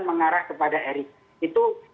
mengarah kepada erick itu